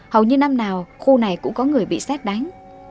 hầu như năm nào khu này cũng có người bị xét đánh